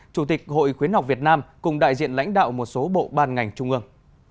chủ tịch hội khuyến học việt nam cùng đại diện lãnh đạo một số bộ ban ngành trung ương